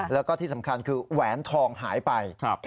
แล้วก็ที่สำคัญคือแหวนทองหายไป